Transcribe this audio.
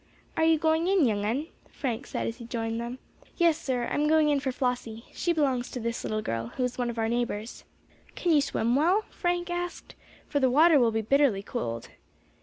"Are you going in, young un?" Frank said, as he joined them. "Yes, sir; I am going in for Flossy. She belongs to this little girl, who is one of our neighbours." "Can you swim well?" Frank asked, "for the water will be bitterly cold."